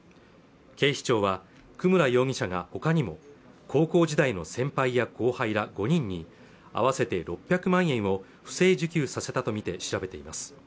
警視庁は久村容疑者がほかにも高校時代の先輩や後輩ら５人に合わせて６００万円を不正受給させたと見て調べています